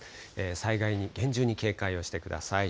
災害に厳重に警戒をしてください。